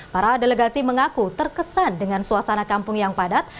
para delegasi mengaku terkesan dengan suasana kampung yang padat